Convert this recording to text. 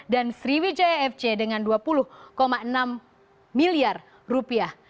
dan sriwijaya fc dengan dua puluh enam miliar rupiah